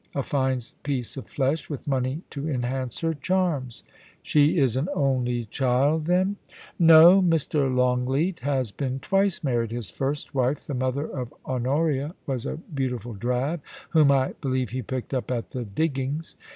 A fine piece of flesh, with money to enhance her charms.' * She is an only child, then ?'* No ; Mr. Longleat has been t^vice married. His first wife, the mother of Honoria, was a beautiful drab, whom I believe he picked up at the Diggings.